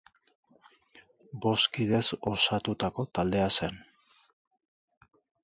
Bost kidez osatutako taldea zen.